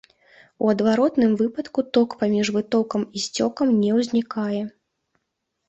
У адваротным выпадку ток паміж вытокам і сцёкам не ўзнікае.